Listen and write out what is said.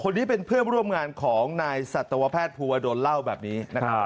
คนนี้เป็นเพื่อร่วมงานของนายศัตรวแพทย์ภูวะโดนเล่าแบบนี้